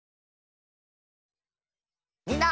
みんな。